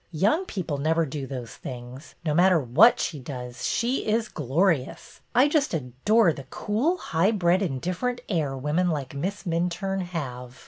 Young people never do those things. No matter what she does, she is glorious! I just adore the cool, highbred, indifferent air women like Miss Minturne have."